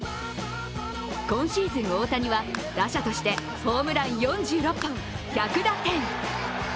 今シーズン、大谷は打者としてホームラン４６本、１００打点。